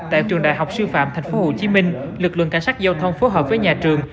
tại trường đại học sư phạm tp hcm lực lượng cảnh sát giao thông phối hợp với nhà trường